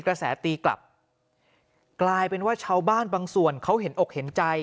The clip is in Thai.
กระแสตีกลับกลายเป็นว่าชาวบ้านบางส่วนเขาเห็นอกเห็นใจ